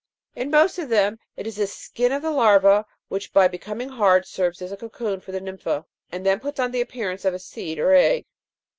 In most of them it is the skin of the larva, which, by becoming hard, serves as a cocoon for the nympha, and then puts on the appearance of a seed or egg.